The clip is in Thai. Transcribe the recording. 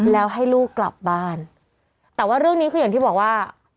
แล้วให้ลูกกลับบ้านแต่ว่าเรื่องนี้คืออย่างที่บอกว่า